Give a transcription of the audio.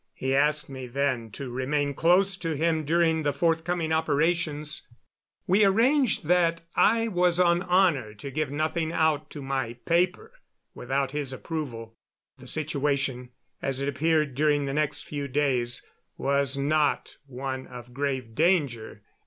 He asked me then to remain close to him during the forthcoming operations. We arranged that I was on honor to give nothing out to my paper without his approval. The situation, as it appeared during the next few days, was not one of grave danger.